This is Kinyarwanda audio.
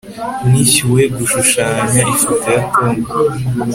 nishyuwe gushushanya ifoto ya tom